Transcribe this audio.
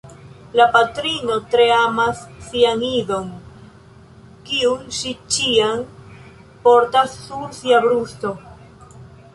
La patrino tre amas sian idon, kiun ŝi ĉiam portas sur sia brusto.